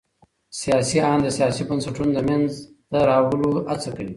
سياسي آند د سياسي بنسټونو د منځته راوړلو هڅه کوي.